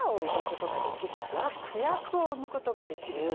「飛躍」を生むことができるだろうか。